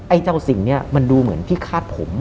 ไอ้เจ้าสิ่งนี้มันดูเหมือนที่คาดผม